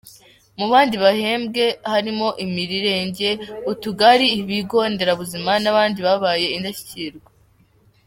Mu bandi bahembwe harimo imirirenge, utugari, ibigo nderebuzima n’abandi babaye indashyikirwa .